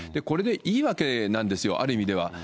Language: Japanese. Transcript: これでいいわけなんですよ、ある意味では。